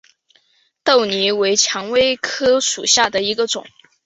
豆梨为蔷薇科梨属下的一个种。